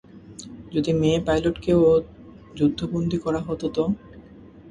যদি মেয়ে পাইলটকেও যুদ্ধবন্দী করা হত তো?